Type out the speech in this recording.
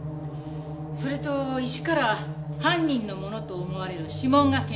それと石から犯人のものと思われる指紋が検出された。